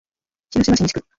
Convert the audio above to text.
広島市西区